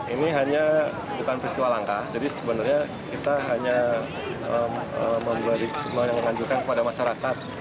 ini hanya bukan peristiwa langka jadi sebenarnya kita hanya menganjurkan kepada masyarakat